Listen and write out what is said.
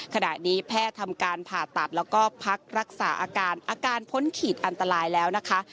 ขณะนี้แพทย์ทำการผ่าตัดแล้วก็พักรักษาอาการอาการพ้นขีดอันตรายแล้วนะคะ